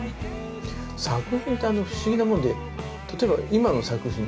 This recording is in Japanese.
作品ってあの不思議なもんで例えば今の作品